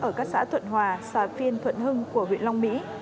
ở các xã thuận hòa xà phiên thuận hưng của huyện long mỹ